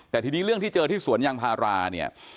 แต่ทีนี้เรื่องที่เจอที่สวนยางพาราเนี่ย